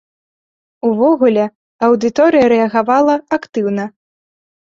Увогуле, аўдыторыя рэагавала актыўна.